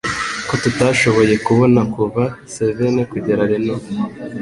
ko tutashoboye kubona kuva Savène kugera Reno